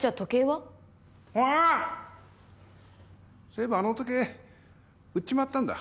そういえばあの時計売っちまったんだ。